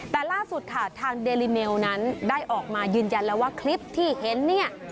แต่ล่าสุดค่ะทางเดลิเมลนั้นได้ออกมายืนยันแล้วว่าคลิปที่เห็นเนี่ย